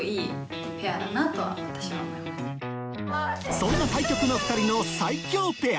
そんな対極な２人の最強ペア